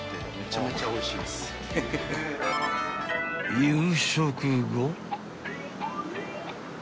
［夕食後］